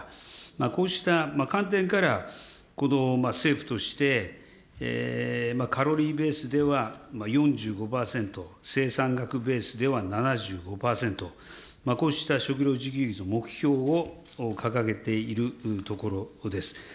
こうした観点から、政府として、カロリーベースでは４５％、生産額ベースでは７５％、こうした食料自給率の目標を掲げているところです。